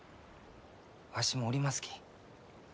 わしもおりますき。